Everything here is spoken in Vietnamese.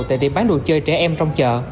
tại tiệm bán đồ chơi trẻ em trong chợ